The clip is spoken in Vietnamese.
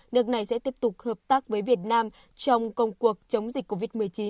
nước này sẽ tiếp tục hợp tác với việt nam trong công cuộc chống dịch covid một mươi chín